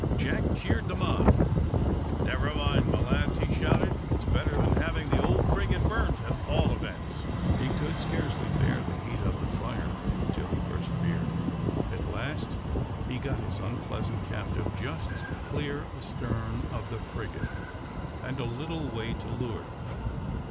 Jack cheered them on: "Never mind, my lads," he shouted; "it's better than having the old frigate burnt, at all events." He could scarcely bear the heat of the fire; still he persevered. At last he got his unpleasant captive just clear astern of the frigate, and a little way to leeward.